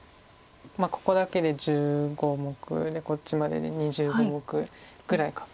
まあここだけで１５目でこっちまでで２５目ぐらい確定します。